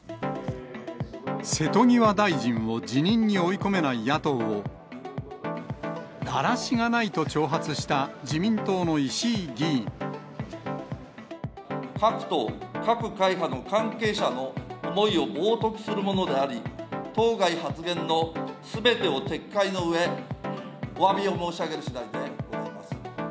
瀬戸際大臣を辞任に追い込めない野党を、だらしがないと挑発した自民党の石井議員。を冒とくするものであり、当該発言のすべてを撤回のうえ、おわびを申し上げるしだいでございます。